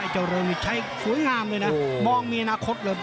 เจ้าเริงนี่ใช้สวยงามเลยนะมองมีอนาคตเลย